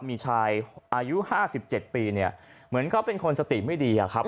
มีชายอายุ๕๗ปีเนี่ยเหมือนเขาเป็นคนสติไม่ดีอะครับ